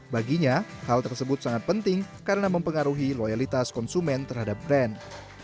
baginya hal tersebut sangat penting karena mempengaruhi loyalitas konsumen terhadap brand